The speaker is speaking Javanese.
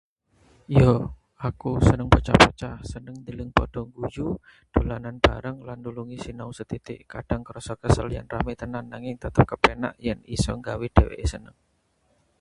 Yo, aku seneng bocah-bocah. Seneng ndeleng padha ngguyu, dolanan bareng, lan nulungi sinau sethithik. Kadhang krasa kesel yen rame tenan, nanging tetep kepenak yen isa nggawe dheweke seneng.